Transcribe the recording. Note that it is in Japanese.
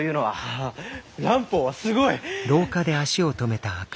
ああ蘭方はすごい！